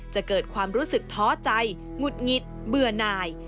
จะเกิดความรู้สึกท้อใจหงุดหงิดเบื่อหน่าย